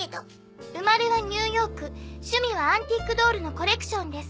生まれはニューヨーク趣味はアンティックドールのコレクションです。